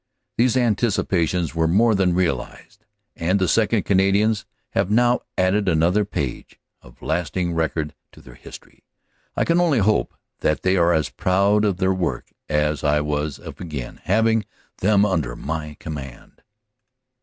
These anticipations were more than realised and the 2nd. Canadians have now added another page of lasting record to their history. I can only hope that they are as proud of their work as I was of again having them under my command."